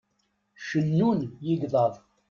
Cennun yigḍaḍ.